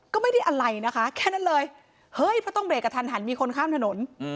ก็ไม่ได้อะไรนะคะแค่นั้นเลยเฮ้ยเพราะต้องเรกกระทันหันมีคนข้ามถนน